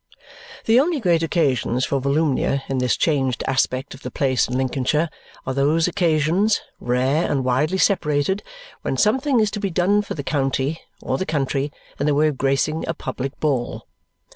The only great occasions for Volumnia in this changed aspect of the place in Lincolnshire are those occasions, rare and widely separated, when something is to be done for the county or the country in the way of gracing a public ball.